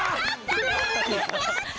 やった！